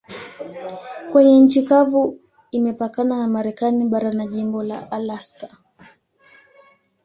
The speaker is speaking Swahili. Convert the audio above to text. Kwenye nchi kavu imepakana na Marekani bara na jimbo la Alaska.